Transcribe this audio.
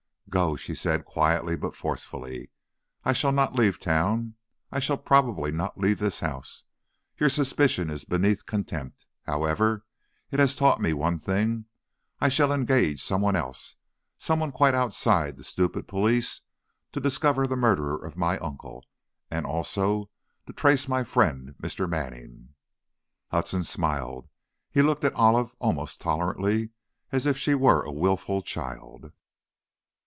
"Go!" she said, quietly but forcefully. "I shall not leave town, I shall probably not leave this house. Your suspicion is beneath contempt. However, it has taught me one thing, I shall engage someone else someone quite outside the stupid police, to discover the murderer of my uncle! And also to trace my friend, Mr. Manning." Hudson smiled. He looked at Olive almost tolerantly, as if she were a wilful child.